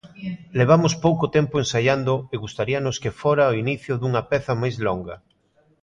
Levamos pouco tempo ensaiando e gustaríanos que fora o inicio dunha peza máis longa.